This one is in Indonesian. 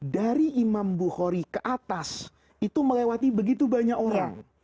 dari imam bukhori ke atas itu melewati begitu banyak orang